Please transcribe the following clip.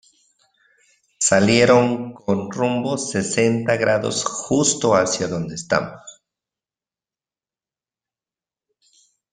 salieron con rumbo sesenta grados, justo hacia donde estamos.